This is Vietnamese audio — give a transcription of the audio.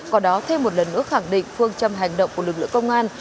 còn đó thêm một lần nữa khẳng định phương châm hành động của lực lượng công an